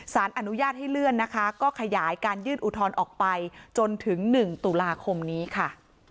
สารอนุญาตให้เลื่อนนะคะก็ขยายการยื่นอุทธรณ์ออกไปจนถึง๑ตุลาคมนี้ค่ะ